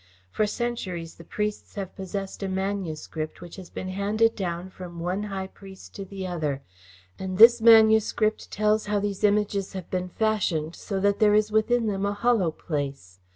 For centuries the priests have possessed a manuscript which has been handed down from one High Priest to the other, and this manuscript tells how these Images have been fashioned, so that there is within them a hollow place.